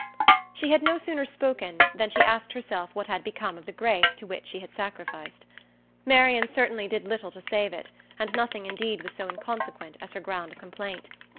She had no sooner spoken than she asked herself what had become of the grace to which she had sacrificed. Marian certainly did little to save it, and nothing indeed was so inconsequent as her ground of complaint.